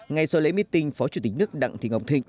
ngay sau lễ meeting phó chủ tịch nước đặng thị ngọc thịnh